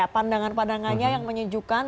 pandangan pandangannya yang menunjukkan